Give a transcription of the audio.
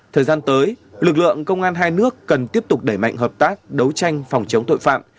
thời gian tới lực lượng công an hai nước cần tiếp tục đẩy mạnh hợp tác đấu tranh phòng chống tội phạm